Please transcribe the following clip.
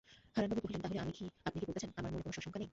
হারানবাবু কহিলেন, তা হলে আপনি কি বলতে চান আপনার মনে কোনো আশঙ্কা নেই?